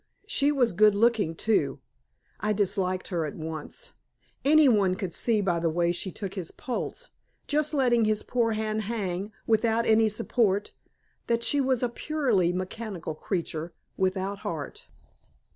She was good looking, too. I disliked her at once. Any one could see by the way she took his pulse just letting his poor hand hang, without any support that she was a purely mechanical creature, without heart.